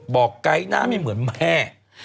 ไก๊หน้าไม่เหมือนแม่